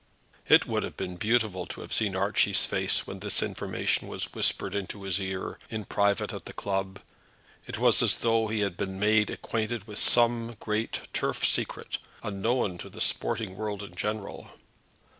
It would have been beautiful to have seen Archie's face when this information was whispered into his ear, in private, at the club. It was as though he had then been made acquainted with some great turf secret, unknown to the sporting world in general.